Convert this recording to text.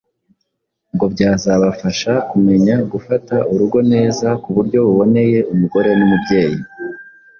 ngo byazabafasha kumenya gufata urugo neza ku buryo buboneye umugore n'umubyeyi.